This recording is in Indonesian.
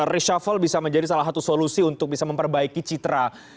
reshuffle bisa menjadi salah satu solusi untuk bisa memperbaiki citra